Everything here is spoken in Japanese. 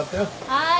はい。